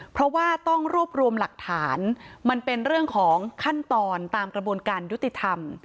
เพราะว่าต้องรวบรวมหลักฐานมันเป็นเรื่องของขั้นตอนตามกระบวนการยุติธรรม